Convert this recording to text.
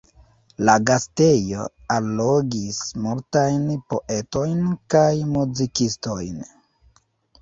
La gastejo allogis multajn poetojn kaj muzikistojn.